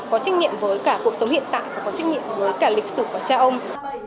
có trách nhiệm với cả cuộc sống hiện tại và có trách nhiệm với cả lịch sử của cha ông